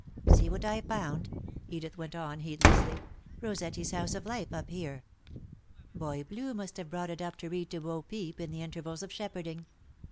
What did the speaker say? "See what I found," Edith went on, heedlessly. "Rossetti's House of Life, up here. Boy Blue must have brought it up to read to Bo Peep in the intervals of shepherding.